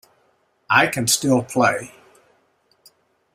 I can still play.